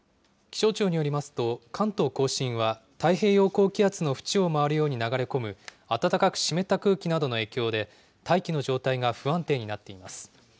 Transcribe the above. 気象庁によりますと、関東甲信は、太平洋高気圧のふちを回るように流れ込む暖かく湿った空気などの影響で、大気の状態が不安定になっています。